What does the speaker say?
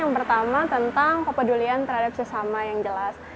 yang pertama tentang kepedulian terhadap sesama yang jelas